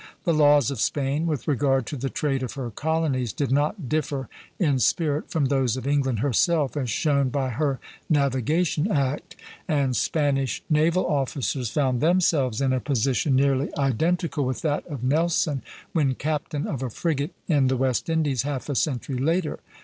The laws of Spain with regard to the trade of her colonies did not differ in spirit from those of England herself as shown by her Navigation Act, and Spanish naval officers found themselves in a position nearly identical with that of Nelson when captain of a frigate in the West Indies half a century later.